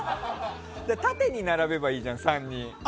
縦に並べばいいじゃん、３人。